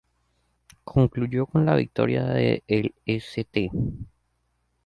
Concluyó con la victoria de St.